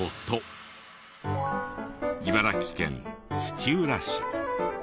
茨城県土浦市。